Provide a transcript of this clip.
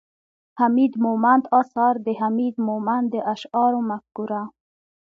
،حميد مومند اثار، د حميد مومند د اشعارو مفکوره